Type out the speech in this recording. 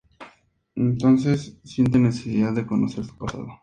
Entonces siente necesidad de conocer su pasado.